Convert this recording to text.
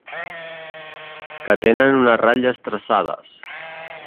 Que tenen unes ratlles traçades.